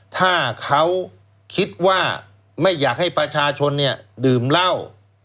ถ้าเขาคิดว่าไม่อยากให้ประชาชนเนี่ยดื่มเหล้า